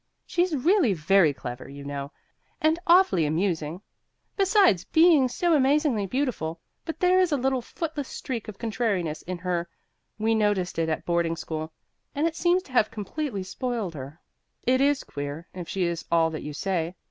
She's really very clever, you know, and awfully amusing, besides being so amazingly beautiful. But there is a little footless streak of contrariness in her we noticed it at boarding school, and it seems to have completely spoiled her." "It is queer, if she is all that you say.